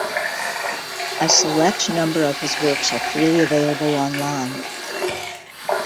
A select number of his works are freely available online.